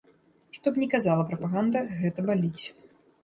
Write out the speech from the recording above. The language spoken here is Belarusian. Што б ні казала прапаганда, гэта баліць.